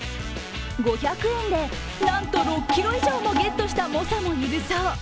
５００円で、なんと６ｋｇ以上もゲットした猛者もいるそう。